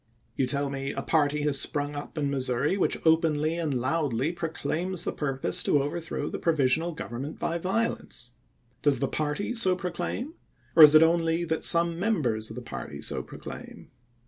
You tell me '^ a party has sprung up in Missouri which openly and loudly proclaims the purpose to over turn the provisional government by violence." Does the party so proclaim, or is it only that some members of the party so proclaim?